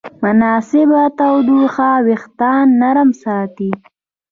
مناسب تودوخه وېښتيان نرم ساتي.